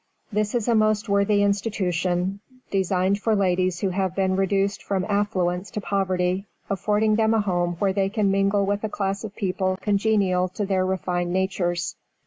This is a most worthy institution, designed for ladies who have been reduced from affluence to poverty, affording them a home where they can mingle with a class of people congenial to their refined natures.